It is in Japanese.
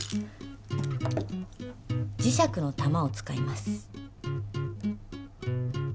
磁石の玉を使います。